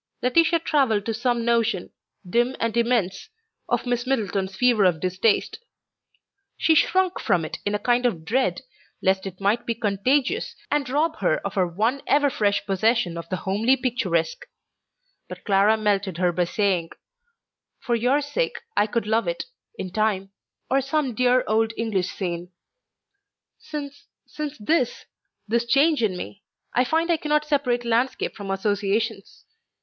Laetitia travelled to some notion, dim and immense, of Miss Middleton's fever of distaste. She shrunk from it in a kind of dread lest it might be contagious and rob her of her one ever fresh possession of the homely picturesque; but Clara melted her by saying, "For your sake I could love it ... in time; or some dear old English scene. Since ... since this ... this change in me, I find I cannot separate landscape from associations.